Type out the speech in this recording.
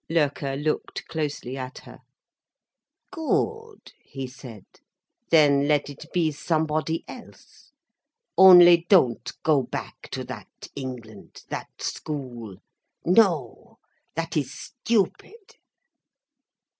Loerke looked closely at her. "Good," he said. "Then let it be somebody else. Only don't go back to that England, that school. No, that is stupid."